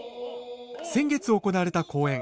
先月行われた公演